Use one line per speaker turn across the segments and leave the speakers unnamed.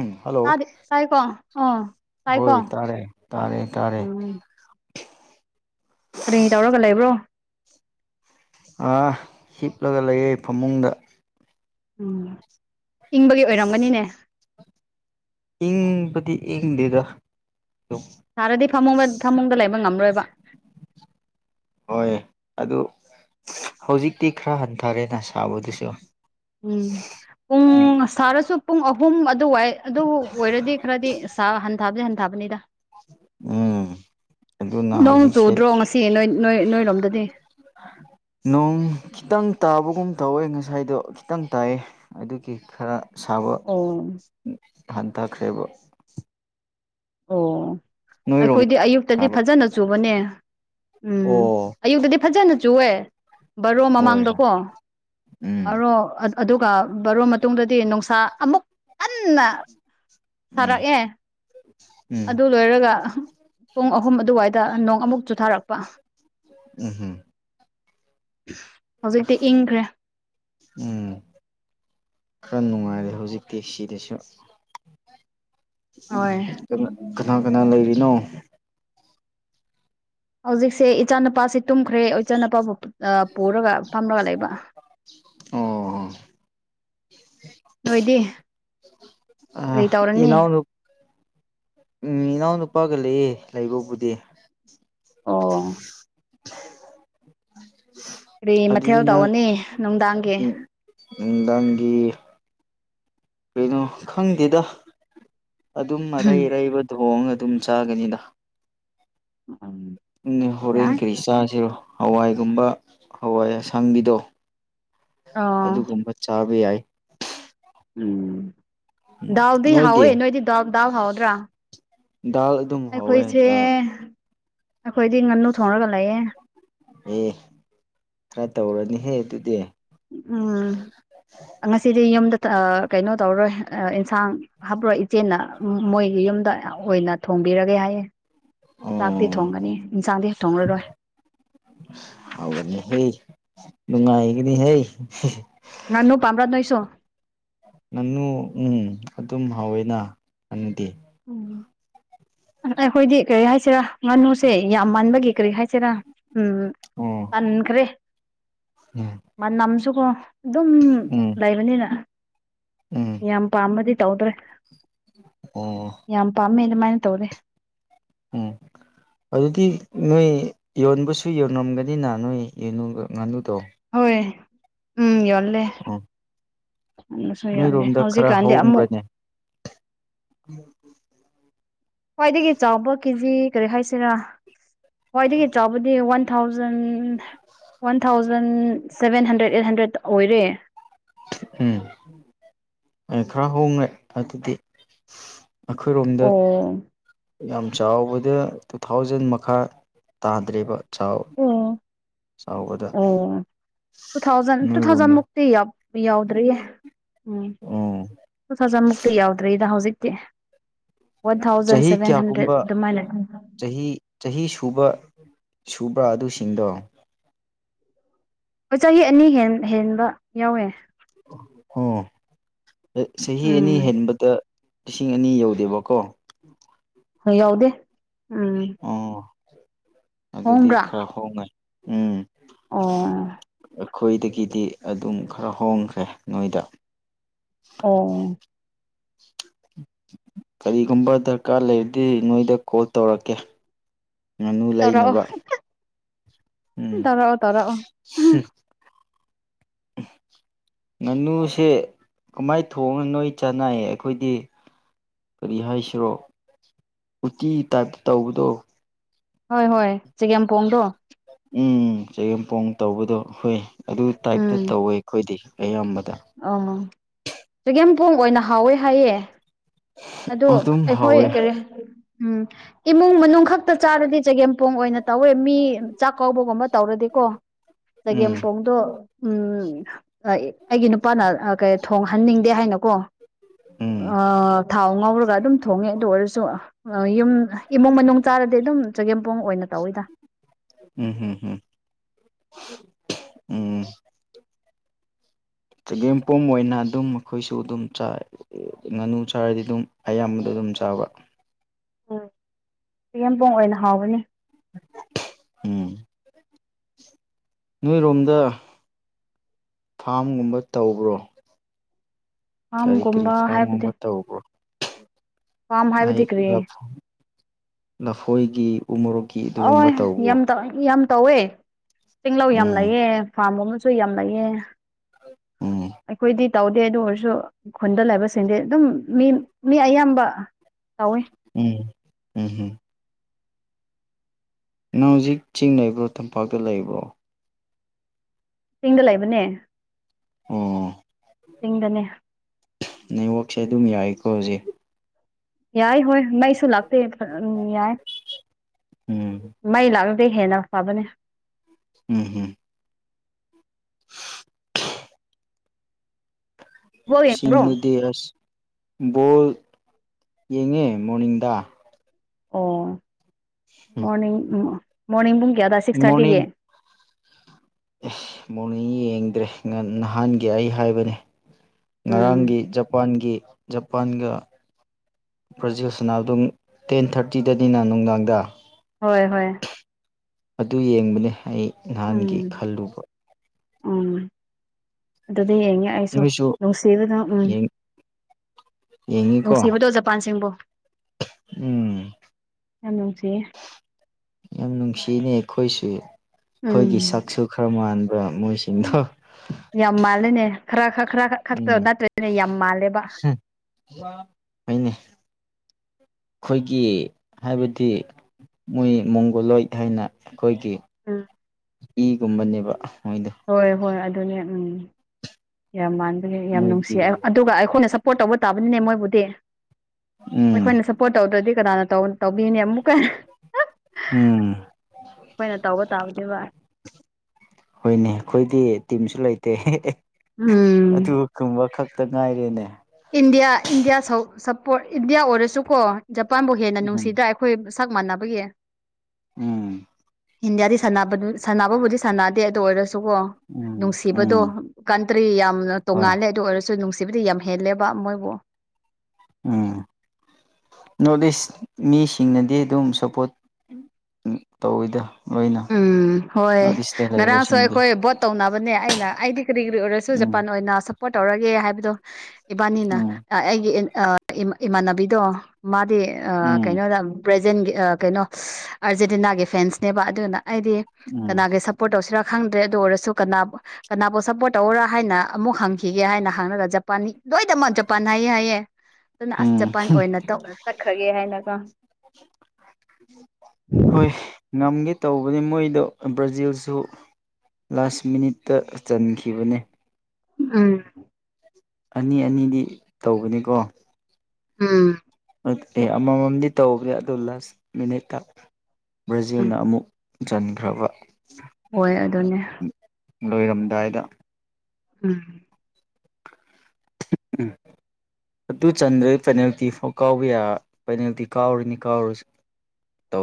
ꯎꯝ hello
ꯑꯥꯗꯦ ꯇꯥꯏꯀꯣ ꯑ ꯇꯥꯏꯀꯣ
ꯍꯣꯏ ꯇꯥꯔꯦ ꯇꯥꯔꯦ ꯇꯥꯔꯦ
ꯎ ꯀꯔꯤ ꯌꯥꯎꯔꯒ ꯂꯩꯕ꯭ꯔꯣ
ꯑꯥ ꯍꯤꯞꯂꯒ ꯂꯩꯌꯦ ꯐꯃꯨꯡꯗ
ꯎꯝ ꯏꯪꯕꯒꯤ ꯑꯣꯏꯔꯝꯒꯅꯤꯅꯦ
ꯏꯪꯕꯗꯤ ꯏꯪꯗꯦꯗ ꯑꯗꯨꯝ
ꯁꯥꯔꯗꯤ ꯐꯃꯨꯡ ꯐꯃꯨꯡꯗ ꯂꯩꯕ ꯉꯝꯂꯣꯏꯕ
ꯍꯣꯏ ꯑꯗꯨ ꯍꯧꯖꯤꯛꯇꯤ ꯈꯔ ꯍꯟꯊꯔꯦꯅ ꯁꯥꯕꯗꯨꯁꯨ
ꯎꯝ ꯄꯨꯡ ꯁꯥꯔꯁꯨ ꯄꯨꯡ ꯑꯍꯨꯝ ꯑꯗꯨ ꯋꯥꯏ ꯑꯗꯨꯕꯨ ꯑꯣꯏꯔꯗꯤ ꯈꯔꯗꯤ ꯁꯥ ꯍꯟꯊꯕꯗꯤ ꯍꯟꯊꯥꯕꯅꯤꯗ
ꯎꯝ ꯑꯗꯨꯅ
ꯅꯣꯡ
ꯍꯧꯖꯤꯛꯁꯦ
ꯆꯨꯗ꯭ꯔꯣ ꯉꯁꯤ ꯅꯣꯏ ꯅꯣꯏ ꯅꯣꯏ ꯂꯣꯝꯗꯗꯤ
ꯅꯣꯡ ꯈꯤꯇꯪ ꯇꯥꯕꯒꯨꯝ ꯇꯧꯋꯦ ꯉꯁꯥꯏꯗꯣ ꯈꯤꯇꯪ ꯇꯥꯏꯑ ꯑꯗꯨꯒꯤ ꯈꯔ ꯁꯥꯕ
ꯑꯣ
ꯍꯟꯊꯈ꯭ꯔꯦꯕ
ꯑꯣ
ꯅꯣꯏꯔꯣꯝ
ꯑꯩꯈꯣꯏꯗꯤ ꯑꯌꯨꯛꯇꯗꯤ
ꯁꯥꯕ꯭ꯔꯣ
ꯐꯖꯅ ꯆꯨꯕꯅꯦ ꯎꯝ
ꯑꯣ
ꯑꯌꯨꯛꯇꯗꯤ ꯐꯖꯅ ꯆꯨꯑꯦ ꯕꯥꯔꯣ
ꯍꯣꯏ
ꯃꯃꯥꯡꯗꯀꯣ
ꯎꯝ
ꯑꯔꯣ ꯑꯗꯨꯒ ꯕꯔꯨ ꯃꯇꯨꯡꯗꯗꯤ ꯅꯨꯡꯁꯥ ꯑꯃꯨꯛ ꯍꯟꯅ
ꯎꯝ
ꯁꯔꯛ ꯑꯦ
ꯎꯝ
ꯑꯗꯨ ꯂꯣꯏꯔꯒ ꯄꯨꯡ ꯑꯍꯨꯝ ꯑꯗꯨꯋꯥꯏꯗ ꯅꯣꯡ ꯑꯃꯨꯛ ꯆꯨꯊꯥꯔꯛꯄ
ꯎꯝ ꯎꯝ
ꯍꯧꯖꯤꯛꯇꯤ ꯏꯪꯈ꯭ꯔꯦ
ꯎꯝ ꯈꯔ ꯅꯨꯡꯉꯥꯏꯔꯦ ꯍꯧꯖꯤꯛꯇꯤ ꯁꯤꯗꯁꯨ
ꯍꯣꯏ
ꯀꯅꯥ ꯀꯅꯥ ꯂꯩꯔꯤꯅꯣ
ꯍꯧꯖꯤꯛꯁꯦ ꯏꯆꯥꯅꯨꯄꯥꯁꯦ ꯇꯨꯝꯈ꯭ꯔꯦ ꯏꯆꯥꯅꯨꯄꯥꯕꯨ ꯑ ꯄꯨꯔꯒ ꯐꯝꯂꯒ ꯂꯩꯕ
ꯑꯣ
ꯅꯣꯏꯗꯤ
ꯑ
ꯀꯔꯤ ꯇꯧꯔꯅꯤ
ꯏꯅꯥꯎ ꯎꯝ ꯏꯅꯥꯎ ꯅꯨꯄꯥꯒ ꯂꯩꯌꯦ ꯂꯩꯕꯕꯨꯗꯤ
ꯑꯣ ꯀꯔꯤ ꯃꯊꯦꯜ
ꯑꯗꯨꯗꯤ ꯅꯪ
ꯇꯧꯔꯅꯤ ꯅꯨꯡꯗꯥꯡꯒꯤ
ꯅꯨꯡꯗꯥꯪꯒꯤ ꯀꯩꯅꯣ ꯈꯪꯗꯦꯗ ꯑꯗꯨꯝ ꯑꯔꯩ ꯑꯔꯩꯕ ꯊꯣꯡꯉ ꯑꯗꯨꯝ ꯆꯥꯒꯅꯤꯗ ꯍꯣꯔꯦꯟ
ꯌꯥꯏ
ꯀꯔꯤ ꯆꯥꯁꯤꯔꯣ ꯍꯋꯥꯏꯒꯨꯝꯕ ꯍꯋꯥꯏ ꯑꯁꯥꯡꯕꯤꯗꯣ
ꯑꯣ
ꯑꯗꯨꯒꯨꯝꯕ ꯆꯥꯕ ꯌꯥꯏ
ꯎꯝ ꯗꯥꯎꯗꯤ ꯍꯥꯎꯋꯦ ꯅꯣꯏꯗꯤ ꯗꯥꯎꯜ ꯗꯥꯎꯜ ꯍꯥꯎꯗ꯭ꯔꯥ
ꯗꯥꯜ ꯑꯗꯨꯝ ꯍꯧꯋꯦ
ꯑꯈꯣꯏꯁ
ꯗꯥꯜ
ꯑꯩꯈꯣꯏꯗꯤ ꯉꯥꯅꯨ ꯊꯣꯡꯉꯒ ꯂꯩꯌꯦꯦ
ꯑꯦ ꯈꯔ ꯇꯧꯔꯅꯤꯍꯦ ꯑꯗꯨꯗꯤ
ꯎꯝ ꯉꯁꯤꯗꯤ ꯌꯨꯝꯗ ꯀꯩꯅꯣ ꯇꯧꯔꯣꯏ ꯑꯦꯟꯁꯥꯡ ꯍꯥꯞꯔꯣꯏ ꯏꯆꯦꯟꯅ ꯃꯣꯏꯒꯤ ꯌꯨꯝꯗ ꯑꯣꯏꯅ ꯊꯣꯡ ꯕꯤꯔꯒꯦ ꯍꯥꯏꯌꯦꯦ ꯆꯥꯛꯇꯤ
ꯑꯣ
ꯊꯣꯡꯒꯅꯤ ꯏꯟꯁꯥꯡꯗꯤ ꯊꯣꯡꯂꯔꯣꯏ
ꯅꯨꯡꯉꯥꯏ ꯍꯒꯗꯤ ꯍꯩ
ꯅꯥꯟꯅꯨ ꯄꯝ꯭ꯔꯥꯗ ꯅꯣꯏꯁꯣ
ꯉꯅꯨ ꯎꯝ ꯑꯗꯨꯝ ꯍꯥꯎꯋꯦꯅ ꯉꯅꯨꯗꯤ
ꯎꯝ ꯑꯩꯈꯣꯏꯗꯤ ꯀꯩ ꯍꯥꯏ ꯍꯥꯏꯁꯤꯔꯥ ꯉꯥꯅꯨꯁꯦ ꯌꯥꯝ ꯃꯥꯟꯕꯒꯤ ꯀꯔꯤ ꯍꯥꯏꯁꯤꯔꯥ ꯎꯝ
ꯑꯣ
ꯄꯥꯟꯈ꯭ꯔꯦ
ꯎꯝ
ꯃꯅꯝꯁꯨꯀꯣ ꯑꯗꯨꯝ
ꯎꯝ
ꯂꯩꯕꯅꯤꯅ
ꯎꯝ
ꯌꯥꯝ ꯄꯥꯝꯕꯗꯤ ꯇꯧꯗ꯭ꯔꯦ
ꯑꯣ
ꯌꯥꯝ ꯄꯥꯝꯃꯦ ꯑꯗꯨꯃꯥꯏꯅ ꯇꯧꯔꯦ
ꯎꯝ ꯑꯗꯨꯗꯤ ꯅꯣꯏ ꯌꯣꯟꯕꯁꯨ ꯌꯣꯟꯉꯝꯒꯅꯤꯅ ꯅꯣꯏ ꯉꯥꯅꯨ
ꯍꯣꯏ ꯎꯝ ꯌꯣꯜꯂꯦ
ꯎꯝ
ꯑꯗꯨꯁꯨ ꯌꯣꯜꯂꯦ
ꯅꯣꯏꯔꯣꯝꯗ ꯈꯔ
ꯍꯧꯖꯤꯛꯀꯥꯟꯗꯤ ꯑꯃꯨꯛ
ꯍꯣꯡꯕ꯭ꯔꯅꯤ
ꯈ꯭ꯋꯥꯏꯗꯒꯤ ꯆꯥꯎꯕ ꯀꯦꯖꯤ ꯀꯔꯤ ꯍꯥꯏꯁꯤꯔꯥ ꯈ꯭ꯋꯥꯏꯗꯒꯤ ꯆꯥꯎꯕꯗꯤ ꯋꯥꯟ ꯋꯥ thousand one thousand seven hundred eight hundred ꯑꯣꯏꯔꯦ
ꯎꯝ ꯑꯩ ꯈꯔ ꯍꯣꯡꯡꯂꯦ ꯑꯗꯨꯗꯤ ꯑꯩꯈꯣꯏꯔꯣꯝꯗ
ꯑꯣ
ꯌꯥꯝ ꯆꯥꯎꯕꯗ ꯇꯨ ꯊꯥꯎꯖꯟ ꯃꯈꯥ ꯇꯥꯗ꯭ꯦꯕ
ꯑꯣ ꯑꯣ ꯇꯨ ꯊꯥꯎꯖ ꯇꯨ ꯊꯥꯎꯖ
ꯅꯣꯏꯔꯣꯝꯗ
ꯃꯛꯇꯛꯇ ꯌꯥꯎꯗ꯭ꯔꯔꯤꯌꯦ
ꯑꯣ
ꯎꯝ ꯐꯖ ꯃꯨꯛꯇꯤ ꯌꯥꯎꯗ꯭ꯔꯔꯤꯗ ꯍꯧꯖꯤꯛꯇꯤ ꯋꯥꯟ ꯊꯥꯎꯖꯟ
ꯆꯍꯤ
ꯁꯚꯦꯟ
ꯀꯌꯥꯒꯨꯝꯕ
ꯍꯟꯗ꯭ꯔꯦꯗ ꯑꯗꯨꯃꯥꯏꯅ
ꯆꯍꯤ ꯆꯍꯤ ꯁꯨꯕ ꯁꯨꯕ꯭ꯔꯥ ꯑꯗꯨꯁꯤꯡꯗꯣ
ꯑꯣ ꯆꯍꯤ ꯑꯅꯤ ꯍꯦꯟꯕ ꯌꯥꯎꯋꯦ
ꯑꯣ ꯆꯍꯤ ꯑꯅꯤ
ꯎꯝ
ꯍꯦꯟꯕꯗ ꯂꯤꯁꯤꯡ ꯑꯅꯤ ꯌꯧꯗꯦꯕꯀꯣ
ꯌꯥꯎꯗꯦ ꯎꯝ
ꯑꯣ ꯑꯗꯨꯗꯤ
ꯍꯣꯡꯕ꯭ꯔꯥ
ꯈꯔ ꯍꯣꯡꯉꯦ ꯎꯝ
ꯑꯣ
ꯑꯩꯈꯣꯏꯗꯒꯤꯗꯤ ꯑꯗꯨꯝ ꯈꯔ ꯍꯣꯡꯈ꯭ꯔꯦ ꯅꯣꯏꯗ
ꯑꯣ
ꯀꯔꯤꯒꯨꯝꯕ ꯗꯔꯀꯥꯔ ꯂꯩꯔꯗꯤ ꯅꯣꯏꯗ ꯀꯣꯜ ꯇꯧꯔꯛꯀꯦ ꯉꯥꯅꯨ
ꯇꯧꯔꯛꯑꯣ
ꯂꯩꯅꯕ ꯎꯝ
ꯇꯧꯔꯛꯑꯣ ꯇꯧꯔꯛꯑꯣ
ꯉꯥꯅꯨꯁꯦ ꯀꯃꯥꯏ ꯊꯣꯡꯅ ꯅꯣꯏ ꯆꯥꯟꯅꯥꯏꯌꯦ ꯑꯩꯈꯣꯏꯗꯤ ꯀꯔꯤ ꯍꯥꯏꯁꯤꯔꯣ ꯎꯇꯤ ꯇꯥꯏꯞ ꯇꯧꯕꯗꯣ
ꯍꯣꯏ ꯍꯣꯏ ꯆꯒꯦꯝꯄꯣꯡꯗꯣ
ꯎꯝ ꯆꯒꯦꯝꯄꯣꯡ ꯇꯧꯕꯗꯣ ꯍꯣꯏ ꯑꯗꯨ ꯇꯥꯏꯞꯇ ꯇꯧꯋꯦ ꯑꯩꯈꯣꯏꯗꯤ ꯑꯌꯥꯝꯕ
ꯑ ꯁꯤꯒꯦꯝ ꯄꯣꯡ ꯑꯣꯏꯅ ꯍꯥꯎꯋꯦ ꯍꯥꯏꯌꯦꯦ ꯑꯣ
ꯑꯗꯨꯝ ꯍꯥꯎꯋꯦ
ꯑꯩꯈꯣꯏ ꯀꯔꯤ ꯎꯝ ꯏꯃꯨꯡ ꯃꯅꯨꯡ ꯈꯛꯇ ꯆꯥꯔꯗꯤ ꯆꯒꯦꯝ ꯎꯄꯣꯡ ꯑꯣꯏꯅ ꯇꯧꯋꯦ ꯃꯤ ꯆꯥꯛ ꯀꯧꯕꯒꯨꯝꯕ ꯇꯧꯔꯗꯤꯀꯣ
ꯎꯝ
ꯆꯒꯦꯝꯄꯣꯛꯗꯣ ꯎꯝ ꯑꯩꯒꯤ ꯅꯨꯄꯥꯅ ꯀꯩ ꯊꯣꯡꯍꯟꯅꯤꯡꯗꯦ ꯍꯥꯏꯅꯀꯣ
ꯎꯝ
ꯊꯥꯎ ꯉꯥꯎꯔꯒ ꯑꯗꯨꯝ ꯊꯣꯡꯉꯦ ꯑꯗꯨ ꯑꯣꯏꯔꯁꯨ ꯌꯨꯝ ꯏꯃꯨꯡ ꯃꯅꯨꯡ ꯆꯥꯔꯗꯤ ꯑꯗꯨꯝ ꯆꯒꯦꯝꯄꯣꯡ ꯑꯣꯏꯅ ꯇꯧꯋꯤꯗ꯫
ꯎꯝ ꯎꯝ ꯎꯝ ꯆꯒꯦꯝꯄꯣꯝ ꯑꯣꯏꯅ ꯑꯗꯨꯝ ꯃꯈꯣꯏꯁꯨ ꯑꯗꯨꯝ ꯆꯥꯏꯌꯦ꯫ ꯉꯥꯅꯨ ꯆꯥꯔꯗꯤ ꯑꯗꯨꯝ ꯑꯌꯥꯝꯕꯗꯣ ꯑꯗꯨꯝ ꯆꯥꯕ꯫
ꯌꯦꯝꯄꯣꯡ ꯑꯣꯏꯅ ꯍꯥꯎꯕꯅꯤ꯫
ꯎꯝ ꯫ ꯅꯣꯏꯔꯣꯝꯗ ꯐꯥꯝꯒꯨꯝꯕ ꯇꯧꯕ꯭ꯔꯣ? ꯀꯔꯤ ꯀꯔꯤ
ꯐꯥꯝꯒꯨꯝꯕ ꯍꯥꯏꯕꯗꯤ
ꯐꯥꯝꯒꯨꯝꯕ ꯇꯧꯕꯔꯣ?
ꯐꯥꯝ
ꯑꯩ
ꯍꯥꯏꯕꯗꯤ ꯀꯔꯤ
ꯂꯥꯐꯨ ꯂꯐꯣꯏꯒꯤ ꯎꯃꯣꯔꯣꯛꯀꯤ ꯑꯗꯨꯒꯨꯝꯕ
ꯑꯣꯏ
ꯇꯧꯕ꯭ꯔꯣ
ꯌꯥꯝ ꯇꯧ ꯌꯥꯝ ꯇꯧꯋꯦ꯫ ꯇꯤꯡꯂꯧ ꯌꯥꯝ
ꯎꯝ
ꯂꯩꯌꯦ ꯐꯥꯔꯝ ꯒꯨꯝꯕꯁꯨ ꯌꯥꯝ ꯂꯩꯌꯦ꯫
ꯎꯝ
ꯑꯩꯈꯣꯏꯗꯤ ꯇꯧꯗꯦ ꯑꯗꯨ ꯑꯣꯏꯔꯁꯨ ꯈꯨꯟꯗ ꯂꯩꯕꯁꯤꯡꯗꯤ ꯑꯗꯨꯝ ꯃꯤ ꯃꯤ ꯑꯌꯥꯝꯕ ꯇꯧꯋꯦ
ꯎꯝ ꯎꯝꯍꯝ ꯅꯪ ꯍꯧꯖꯤꯛ ꯆꯤꯡ ꯂꯩꯕ꯭ꯔꯣ ꯇꯝꯄꯥꯛꯇ ꯂꯩꯕ꯭ꯔꯣ?
ꯆꯤꯡꯗ ꯂꯩꯕꯅꯦ꯫
ꯑꯣ
ꯆꯤꯡꯗꯅꯦ꯫
ꯅꯦꯠꯋꯥꯔꯛ ꯁꯦ ꯑꯗꯨꯝ ꯌꯥꯏꯀꯣ ꯍꯧꯖꯤꯛ
ꯌꯥꯏ ꯍꯣꯏ ꯃꯩꯁꯨ ꯂꯥꯛꯇꯦ ꯐꯥꯑꯝ ꯌꯥꯏ꯫
ꯎꯝ
ꯃꯩ ꯂꯥꯛ ꯇꯩ ꯍꯦꯟꯅ ꯐꯥꯕꯅꯦ
ꯎꯝ ꯍꯝ
ꯕꯣꯜ ꯌꯦꯡꯕ꯭ꯔꯣ
ꯁꯤꯡꯅꯗꯦꯔꯖ ꯕꯣꯜ ꯌꯦꯡꯉꯦ ꯃꯣꯔꯅꯤꯡꯗ
ꯑꯣ ꯃꯣꯔꯅꯤꯡ ꯃꯣꯔꯅꯤꯡ ꯄꯨꯡ ꯀꯌ꯭ꯥ ꯗ ꯁꯤꯛꯁ ꯊꯔꯇꯤꯒꯤ
ꯎꯐ ꯃꯣꯔꯅꯤꯡ ꯌꯦꯡꯗ꯭ꯔꯦ ꯉꯟ ꯅꯍꯥꯟꯒꯤ ꯑꯩ ꯍꯥꯏꯕꯅꯦ
ꯎꯝ
ꯉꯔꯥꯡꯒꯤ ꯖꯄꯥꯟꯒꯤ ꯖꯄꯥꯟꯒ ꯄ꯭ꯔꯖꯤꯜ ꯁꯅꯥꯕꯗꯣ ꯉꯛ ꯇꯦꯟ ꯊꯥꯔꯇꯤꯗꯅꯤꯅ ꯅꯨꯡꯗꯥꯡꯗ
ꯍꯣꯏ ꯍꯣꯏ
ꯑꯗꯨ ꯌꯦꯡꯕꯅꯦ ꯑꯩ
ꯎꯝ
ꯅꯍꯥꯟꯒꯤ ꯈꯜꯂꯨꯕ
ꯎꯝ꯫ ꯑꯗꯨꯗꯤ ꯌꯦꯡꯉꯦ ꯑꯩꯁꯨ
ꯅꯣꯏꯁꯨ
ꯅꯨꯡꯁꯤꯕꯅ ꯎꯝ
ꯌꯦꯡꯉꯤꯀꯣ
ꯅꯨꯡꯁꯤꯕꯗꯣ ꯖꯄꯥꯟꯁꯤꯡꯕꯨ
ꯎꯝ
ꯌꯥꯝ ꯅꯨꯡꯁꯤꯌꯦ
ꯌꯥꯝ ꯅꯨꯡꯁꯤꯅꯦ ꯑꯩꯈꯣꯏꯁꯨ
ꯎꯝ
ꯑꯩꯈꯣꯏꯒꯤ ꯁꯛꯁꯨ ꯈꯔ ꯃꯥꯟꯕ ꯃꯣꯏꯁꯤꯡꯗꯣ
ꯌꯥꯝ ꯃꯥꯜꯂꯦꯅꯦ ꯈꯔ ꯈꯔ ꯈꯔ ꯈꯛ-ꯈꯛꯇ
ꯎꯝ
ꯅꯠꯇ꯭ꯔꯦꯅꯦ ꯌꯥꯝ ꯃꯥꯜꯂꯦꯕ
ꯈꯣꯏꯒꯤ ꯍꯥꯏꯕꯗꯤ ꯃꯣꯏ ꯃꯣꯡꯒꯣꯂꯣꯏꯗ ꯍꯥꯏꯅ ꯑꯩꯈꯣꯏꯒꯤ
ꯑꯝ
ꯏꯒꯨꯝꯕꯅꯦꯕ ꯑꯍꯝ
ꯍꯣꯏ ꯍꯣꯏ ꯑꯗꯨꯅꯦ ꯎꯝ ꯫ꯌꯥꯝ ꯃꯥꯟꯕꯅꯦ ꯌꯥꯝ
ꯃꯣꯏꯒꯤ
ꯅꯨꯡꯁꯤꯌꯦ ꯑꯗꯨꯒ ꯑꯩꯈꯣꯏꯅ ꯁꯞ ꯄꯣꯔꯠ ꯇꯧꯕ ꯇꯥꯕꯅꯤꯅꯦ ꯃꯣꯏꯕꯨꯗꯤ
ꯎꯝ
ꯑꯩꯈꯣꯏꯅ ꯁꯞꯄꯣꯔꯠ ꯇꯧꯗ꯭ꯔꯗꯤ ꯀꯅꯥꯅ ꯇꯧ-ꯇꯧꯕꯤꯅꯤ ꯑꯃꯨꯛꯀ
ꯎꯝ
ꯑꯩꯈꯣꯏꯅ ꯇꯧꯕ ꯇꯥꯕꯅꯦꯕ
ꯍꯣꯏꯅꯦ ꯑꯈꯣꯏꯗꯤ ꯇꯤꯝꯁꯨ ꯂꯩꯇꯦ ꯍꯦꯍꯦ ꯑꯦ
ꯎꯝ
ꯑꯗꯨꯒꯨꯝꯕ ꯈꯛꯇ ꯉꯥꯏꯔꯦꯅꯦ
ꯏꯟꯗꯤꯌꯥ ꯏꯟꯗꯤꯌꯥ ꯁꯧ-ꯁꯄꯣꯔꯠ ꯏꯟꯗꯤꯌꯥ ꯑꯣꯏꯔꯁꯨꯀꯣ ꯖꯄꯥꯟꯕꯨ ꯍꯦꯟꯅ
ꯎꯝ
ꯅꯨꯡꯁꯤꯗ ꯑꯩꯈꯣꯏ ꯁꯛ ꯃꯥꯟꯅꯕꯒꯤ
ꯎꯝ
ꯏꯟꯗꯤꯌꯥꯗꯤ ꯁꯥꯟꯅꯕꯗꯨ ꯁꯥꯟꯅꯕꯕꯨꯗꯤ ꯁꯥꯟꯅꯗꯦ ꯑꯗꯨ ꯑꯣꯏꯔꯁꯨ
ꯎꯝ
ꯅꯨꯡꯁꯤꯕꯗꯣ
ꯎꯝ
ꯀꯗ꯭ꯔꯤ ꯌꯥꯝꯅ
ꯍꯣꯏ
ꯇꯣꯉꯂꯦ ꯑꯗꯨ ꯑꯣꯏꯔꯁꯨ ꯅꯨꯡꯁꯤꯕ ꯌꯥꯝ ꯍꯦꯂꯕ ꯃꯣꯏꯕꯨꯣ
ꯎꯝ ꯅꯣꯔꯠ ꯏꯁ ꯃꯤꯁꯤꯡꯅꯗꯤ ꯑꯗꯨꯝ ꯁꯞꯄꯣꯔꯠ ꯇꯧꯋꯤꯗ ꯂꯣꯏꯅ
ꯎꯝ ꯍꯣꯏ
ꯅꯣꯔꯠ ꯏꯁꯇ
ꯉꯔꯥꯡꯁꯨ
ꯂꯩꯕꯁꯤꯡꯗꯤ
ꯑꯩꯈꯣꯏ ꯕꯣꯠ ꯇꯧꯅꯕꯅꯦ ꯑꯩꯅ ꯑꯩꯗꯤ ꯀꯔꯤ ꯀꯔꯤ ꯑꯣꯏꯔꯁꯨ
ꯎꯝ
ꯖꯄꯥꯟ ꯑꯣꯏꯅ ꯄꯣꯔꯠ ꯇꯧꯔꯒꯦ ꯍꯥꯏꯕꯗꯣ ꯏꯕꯥꯅꯤꯅ
ꯎꯝ
ꯑꯩꯒꯤ ꯏꯃꯥꯟꯅꯕꯤꯗꯣ ꯗꯤ
ꯎꯝ
ꯀꯩꯅꯣꯗ ꯕ꯭ꯔꯦꯖꯦꯟꯒꯤ ꯀꯩꯅꯣ ꯑꯥꯔꯖꯦꯟꯇꯤꯅꯥꯒꯤ ꯐꯦꯟꯁꯅꯦꯕ ꯑꯗꯨꯅ ꯑꯩꯗꯤ
ꯎꯝ
ꯀꯅꯥꯒꯤ ꯁꯞꯄꯣꯔꯠ ꯇꯧꯁꯤꯔꯥ ꯈꯪꯗ꯭ꯔꯦ ꯑꯗꯨ ꯑꯣꯏꯔꯁꯨ ꯀꯅꯥ ꯀꯅꯥꯕꯨ ꯁꯞꯄꯣꯔꯠ ꯇꯧꯔꯥ ꯍꯥꯏꯅ ꯑꯃꯨꯛ ꯍꯪꯈꯤꯒꯦ ꯍꯥꯏꯅ ꯍꯪꯅꯒ ꯖꯄꯥꯟ ꯂꯣꯏꯗꯃꯛ ꯖꯄꯥꯟ ꯍꯥꯏꯌꯦ ꯍꯥꯏꯌꯦꯦ ꯑꯗꯨꯅ ꯑꯁ
ꯎꯝ
ꯖꯄꯥꯟ ꯑꯣꯏꯅꯧ ꯆꯠꯈ꯭ꯔꯒꯦ ꯍꯥꯏꯅꯀꯣ
ꯍꯣꯏ ꯉꯝꯒꯦ ꯇꯧꯕꯅꯤ ꯃꯣꯏꯗꯣ ꯕ꯭ꯔꯥꯖꯤꯜꯁꯨ ꯂꯥꯁ ꯃꯤꯅꯤꯠꯇ ꯆꯟꯈꯤꯕꯅꯤ
ꯎꯝ
ꯑꯅꯤ ꯑꯅꯤꯗꯤ ꯇꯧꯕꯅꯤꯀꯣ
ꯎꯝ
ꯑꯦ ꯑꯃꯃꯝꯗꯤ ꯇꯧꯋꯍꯦ ꯑꯗꯨ ꯂꯥꯁ ꯃꯤꯅꯤꯠꯇ
ꯎꯝ
ꯕ꯭ꯔꯥꯖꯤꯜꯅ ꯑꯃꯨꯛ ꯆꯟꯈ꯭ꯔꯕ
ꯍꯣꯏ ꯑꯗꯨꯅꯦ
ꯂꯣꯏꯔꯝꯗꯥꯏꯗ
ꯎꯝ
ꯎꯝ ꯑꯗꯨ ꯆꯟꯗ꯭ꯔꯦ ꯄꯦꯅꯥꯜꯇꯤ ꯐꯥꯎ ꯀꯥꯎꯕ ꯌꯥ ꯄꯦꯅꯥꯜꯇꯤ ꯀꯥꯎꯔꯤꯅꯤ ꯀꯥꯎꯔꯨꯁ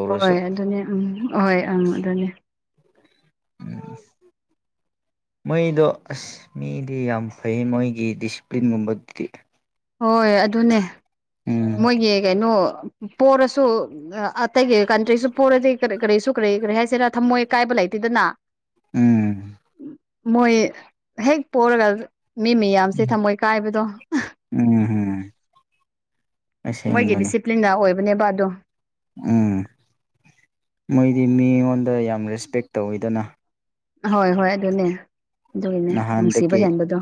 ꯍꯣꯏ ꯑꯗꯨꯅꯤ ꯎꯝ ꯑꯍꯣꯏ ꯎꯝ ꯑꯗꯨꯅꯤ
ꯎꯝ ꯃꯣꯏꯗꯣ ꯑꯁ ꯃꯤꯗꯤ ꯌꯥꯝ ꯐꯩꯌꯦ ꯃꯣꯏꯒꯤ ꯗꯤꯁꯤꯄ꯭ꯂꯤꯟꯒꯨꯝꯕꯗꯤ
ꯍꯣꯏ ꯑꯗꯨꯅꯦ ꯃꯣꯏꯒꯤ ꯀꯩꯅꯣ ꯄꯣꯔꯁꯨ ꯑꯇꯩꯒꯤ ꯀꯟꯇ꯭ꯔꯤꯁꯨ ꯄꯨꯔꯗꯤꯔꯤ ꯀꯔꯤꯁꯨ ꯀꯔꯤ ꯀꯔꯤ ꯍꯥꯏꯁꯤꯦꯔꯥ ꯊꯝꯃꯣꯏꯀꯥꯏꯕ ꯂꯩꯇꯦꯗꯅ
ꯎꯝ
ꯃꯣꯏ ꯍꯦꯛ ꯄꯔꯒ ꯃꯤ ꯃꯌꯥꯝꯁꯦ ꯊꯝꯃꯣꯏ ꯀꯥꯏꯕꯗꯣ
ꯎꯝꯝ
ꯃꯣꯏꯒꯤ ꯗꯤꯁꯤꯄ꯭ꯂꯤꯟꯗ ꯑꯣꯏꯕꯅꯦꯕ ꯑꯗꯣ
ꯎꯝ ꯃꯣꯏꯗꯤ ꯃꯤꯉꯣꯟꯗ ꯌꯥꯝ ꯔꯦꯁꯄꯦꯛ ꯇꯧꯋꯤꯗꯅ
ꯍꯣꯏ ꯍꯣꯏ ꯑꯗꯨꯅꯦ ꯑꯗꯨꯒꯤꯅꯦ ꯅꯨꯡꯁꯤꯕ
ꯅꯍꯥꯟꯗꯒꯤ
ꯍꯦꯟꯕꯗꯣ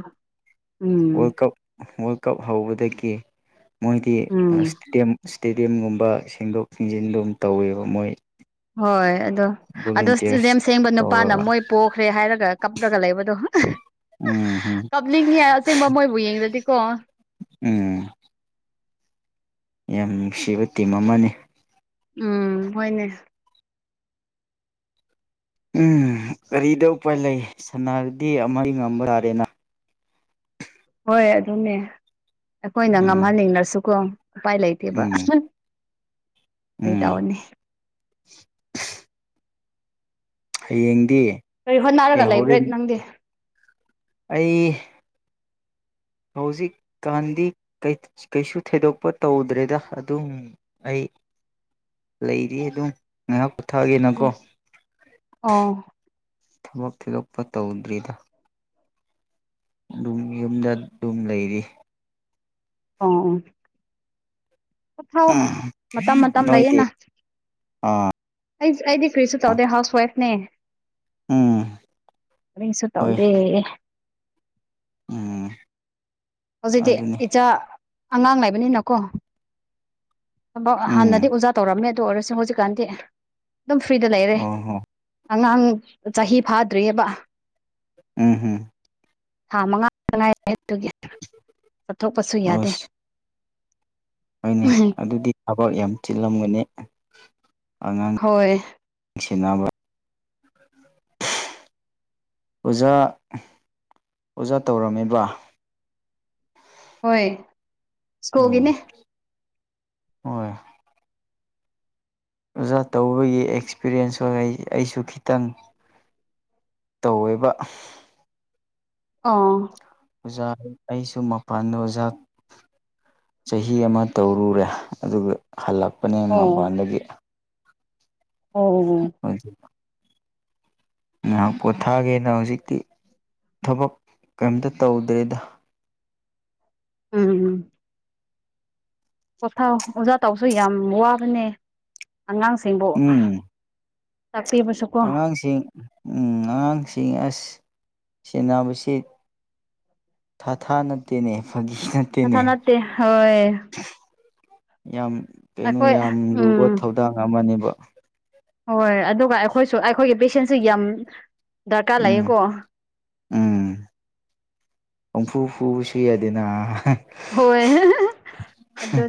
ꯎꯝ
ꯋꯥꯔꯜ ꯀꯞ ꯋꯥꯔꯜ ꯀꯞ ꯍꯧꯕꯗꯒꯤ ꯃꯣꯏꯗꯤ
ꯎꯝ
ꯏꯁꯇꯦꯗꯤꯌꯝ ꯏꯁꯇꯦꯗꯤꯌꯝꯒꯨꯝꯕ ꯁꯦꯡꯗꯣꯛ ꯁꯦꯡꯖꯤꯟ ꯑꯗꯨꯝ ꯇꯧꯋꯦꯕ ꯃꯣꯏ
ꯍꯣꯏ ꯑꯗꯣ ꯑꯗꯣ ꯏꯁꯇꯨꯗꯤꯝ
ꯚꯣꯂꯨꯟꯇꯤꯌꯔꯁ
ꯁꯦꯡꯕ ꯅꯨꯄꯥꯅ
ꯇꯧꯔꯒ
ꯃꯣꯏ ꯄꯣꯛꯈ꯭ꯔꯦ ꯍꯥꯏꯔꯒ ꯀꯞꯂꯒ ꯂꯩꯕꯗꯣ
ꯎꯝ ꯍꯝ
ꯀꯞꯂꯤꯡ ꯑꯁꯦꯡꯕ ꯃꯣꯏꯕꯨ ꯌꯦꯡꯂꯥꯗꯤꯀꯣ
ꯎꯝ ꯌꯥꯝ ꯅꯨꯡꯁꯤꯕ ꯇꯤꯝ ꯑꯃꯅꯤ
ꯎꯝ ꯍꯣꯏꯅꯦ
ꯎꯝ ꯀꯔꯤꯗꯤ ꯎꯄꯥꯏ ꯂꯩ ꯁꯅꯥꯗꯤ ꯑꯃ ꯉꯝꯕ ꯇꯥꯔꯦꯅ
ꯍꯣꯏ ꯑꯗꯨꯅꯦ ꯑꯩꯈꯣꯏꯅ
ꯎꯝ
ꯉꯝꯍꯟꯅꯤꯡꯂꯁꯨꯀꯣ ꯎꯄꯥꯏ ꯂꯩꯇꯦꯕ
ꯎꯝ
ꯀꯔꯤ ꯇꯧꯔꯨꯅꯤ
ꯗ ꯍꯌꯦꯡꯗꯤ
ꯀꯔꯤ
ꯑꯦ
ꯍꯣꯠꯅꯔꯒ ꯂꯩꯕ꯭ꯔꯥ
ꯍꯣꯔꯦꯟ
ꯅꯪꯗꯤ
ꯑꯩ ꯍꯧꯖꯤꯛꯀꯥꯟꯗꯤ ꯀꯩꯁꯨ ꯊꯩꯗꯣꯛꯄ ꯇꯧꯗ꯭ꯔꯦꯗ ꯑꯗꯨꯝ ꯑꯩ
ꯒ
ꯂꯩꯔꯤ ꯑꯗꯨꯝ ꯉꯥꯏꯍꯥꯛ ꯄꯨꯨꯊꯥ ꯒꯦꯅꯥ ꯀꯦ
ꯎꯝ ꯑꯣ
ꯊꯕꯛ ꯊꯣꯏꯗꯣꯛꯄ ꯇꯧꯗ꯭ꯔꯤꯗ ꯑꯗꯨꯝ ꯌꯨꯝꯗ ꯇꯨꯝ ꯂꯩꯔꯤ
ꯑꯣ ꯄꯣꯊꯥꯎ ꯃꯇꯝ ꯃꯇꯝ
ꯅꯣꯏꯗꯤ
ꯂꯩꯌꯦꯅ ꯑꯩ ꯑꯩꯗꯤ ꯀ꯭ꯔꯤꯁꯨ ꯇꯧꯗꯦ ꯍꯥꯎꯁ ꯋꯥꯏꯐꯅꯦ
ꯎꯝ
ꯀꯔꯤꯁꯨ
ꯍꯣꯏ
ꯇꯧꯗꯦ
ꯎꯝ
ꯍꯧꯖꯤꯛꯇꯤ
ꯑꯗꯨꯅꯤ
ꯏꯆꯥ ꯑꯉꯥꯡ ꯂꯩꯕꯅꯤꯅꯀꯣ ꯍꯥꯟꯅꯗꯤ
ꯎꯝ
ꯑꯣꯖꯥ ꯇꯧꯔꯝꯃꯦ ꯑꯗꯨ ꯑꯣꯏꯔꯁꯨ ꯍꯧꯖꯤꯛꯀꯥꯟꯗꯤ ꯑꯗꯨꯝ ꯐ꯭ꯔꯤꯗ ꯂꯩꯔꯦ
ꯑꯣ ꯍꯣ
ꯑꯉꯥꯡ ꯆꯍꯤ ꯐꯥꯗ꯭ꯔꯤꯑꯕ
ꯎꯝ ꯎꯝ
ꯊꯥ ꯃꯉꯥ ꯈꯛꯇ ꯉꯏꯔꯤꯌꯦ ꯑꯗꯨꯒꯤ ꯆꯠꯊꯣꯛꯄꯁꯨ ꯌꯥꯗꯦ
ꯑꯗꯨꯅꯤ ꯑꯗꯨꯗꯤ ꯊꯕꯛ ꯌꯥꯝ ꯆꯤꯜꯂꯝꯒꯅꯤ
ꯍꯣꯏꯣꯏ
ꯊꯅꯥ ꯑꯣꯖꯥ ꯑꯣꯖꯥ ꯇꯧꯔꯝꯃꯤꯕ
ꯍꯣꯏ ꯁ꯭ꯀꯣꯜꯒꯤꯅꯦ
ꯑꯣ ꯑꯣꯖꯥ ꯇꯧꯕꯒꯤ ꯑꯦꯛꯁꯄꯤꯔꯤꯌꯦꯟꯁ ꯑꯣꯏ ꯑꯩꯁꯨ ꯈꯤꯇꯪ ꯇꯧꯋꯕ
ꯑꯥ
ꯑꯣꯖꯥ ꯑꯩꯁꯨ ꯃꯄꯥꯟꯗ ꯑꯣꯖꯥ ꯆꯍꯤ ꯑꯃ ꯇꯧꯔꯨꯔꯦ ꯑꯗꯨꯒ ꯍꯜꯂꯛꯄꯅꯦ
ꯑꯣ
ꯃꯄꯥꯟꯗꯒꯤ
ꯑꯣ
ꯉꯥꯏꯍꯥꯛ ꯄꯣꯊꯥꯒꯦꯅ ꯍꯧꯖꯤꯛꯇꯤ ꯊꯕꯛ ꯀꯩꯝꯇ ꯇꯧꯗ꯭ꯔꯦꯗ
ꯑꯝꯝ ꯄꯣꯊꯥ ꯑꯣꯖꯥ ꯇꯧꯕꯁꯨ ꯌꯥꯝ ꯋꯥꯕꯅꯦ ꯑꯉꯥꯡꯁꯤꯡꯕꯨ
ꯎꯝ
ꯇꯥꯛꯄꯤꯕꯁꯨꯀꯣ
ꯑꯉꯥꯡꯁꯤꯡ ꯎꯝ ꯑꯉꯥꯡꯁꯤꯡ ꯑꯁ ꯁꯤꯟꯅꯕꯁꯤ ꯊꯥꯊꯥ ꯅꯠꯇꯦꯅꯦ ꯐꯒꯤꯅꯠꯇꯅꯦ
ꯅꯊꯥ ꯅꯠꯇꯦ ꯍꯣꯏ
ꯌꯥꯝ ꯀꯩꯅꯣ
ꯑꯩꯈꯣꯏ
ꯌꯥꯝ ꯂꯨꯕ
ꯎꯝ
ꯊꯧꯗꯥꯡ ꯑꯃꯅꯦꯕ
ꯍꯣꯏ ꯑꯗꯨꯒ ꯑꯩꯈꯣꯏꯁꯨ ꯑꯩꯈꯣꯏꯒꯤ ꯄꯦꯁꯦꯟꯁꯨ ꯌꯥꯝ ꯗꯔꯀꯥꯔ
ꯎꯝ
ꯂꯩꯌꯦꯀꯣ
ꯐꯨ ꯐꯨ ꯁꯤ ꯍꯥꯏꯗꯅ
ꯍꯣꯏ ꯑꯗꯨ